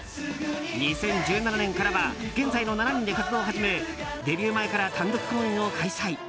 ２０１７年からは現在の７人で活動を始めデビュー前から単独公演を開催。